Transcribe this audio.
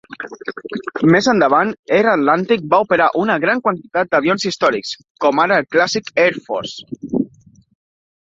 Més endavant, Air Atlantique va operar una gran quantitat d'avions històrics, como ara el Classic Air Force.